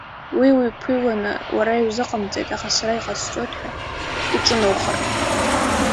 Уи уиԥыҩланы, уара иузыҟамҵеит, аха сара иҟасҵоит ҳәа уҿыноухар.